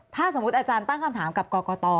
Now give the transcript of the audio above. ถ้าสมมุติอาจารย์ตั้งคำถามกับกรกต